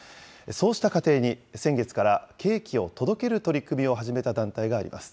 そうした家庭に、先月からケーキを届ける取り組みを始めた団体があります。